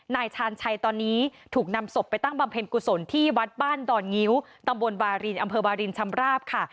นายชาญชัยตอนนี้ถูกนำศพไปตั้งบำเพ็ญกุศลที่วัดบ้านดอนงิ้วตำบลวารินอำเภอวารินชำราบค่ะ